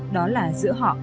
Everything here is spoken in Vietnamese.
đó là giữa họ